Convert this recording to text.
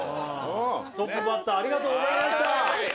トップバッターありがとうございました。